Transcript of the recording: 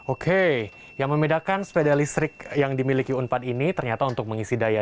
oke yang membedakan sepeda listrik yang dimiliki unpad ini